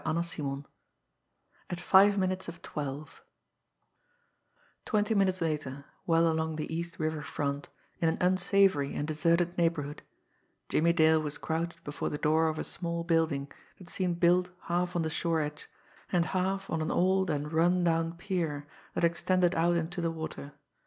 CHAPTER XXIV AT FIVE MINUTES OF TWELVE Twenty minutes later, well along the East River front, in an unsavoury and deserted neighbourhood, Jimmie Dale was crouched before the door of a small building that seemed built half on the shore edge, and half on an old and run down pier that extended out into the water.